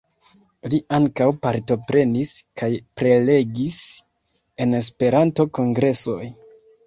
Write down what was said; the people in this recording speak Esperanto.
Li ankaŭ partoprenis kaj prelegis en Esperanto-kongresoj.